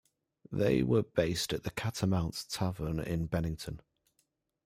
They were based at the Catamount Tavern in Bennington.